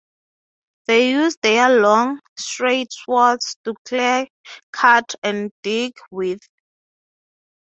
They use their long, straight swords to clear, cut, and dig with.